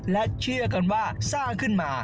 และเชื่อกันว่าสร้างขึ้นมา